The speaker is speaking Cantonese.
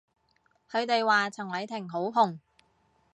佢哋話陳偉霆好紅